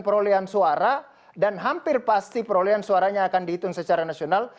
perolehan suara dan hampir pasti perolehan suaranya akan dihitung secara nasional